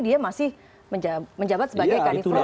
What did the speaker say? dia masih menjabat sebagai kadif ropan